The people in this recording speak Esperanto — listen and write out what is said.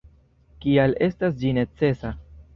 Kial estas ĝi necesa.